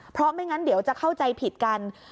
เพราะไม่งั้นเดี๋ยวจะเข้าใจผิดกัน